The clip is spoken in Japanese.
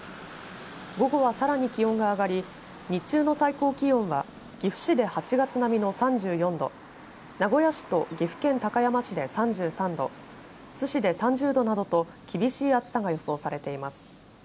午後はさらに気温が上がり日中の最高気温は岐阜市で８月並みの３４度名古屋市と岐阜県高山市で３３度津市で３０度などと厳しい暑さが予想されています。